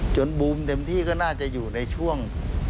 บูมเต็มที่ก็น่าจะอยู่ในช่วง